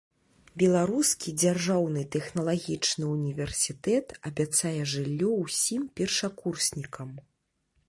Беларускі дзяржаўны тэхналагічны ўніверсітэт абяцае жыллё ўсім першакурснікам.